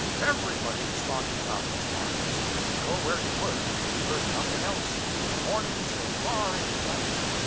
Everybody was talking about these marvels. Go where you would, you heard nothing else, from morning till far into the night.